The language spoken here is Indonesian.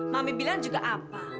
mami bilang juga apa